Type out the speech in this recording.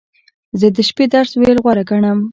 زه د شپې درس ویل غوره ګڼم.